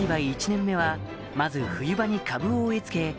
１年目はまず冬場に株を植え付け